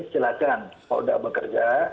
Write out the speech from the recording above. silakan kalau sudah bekerja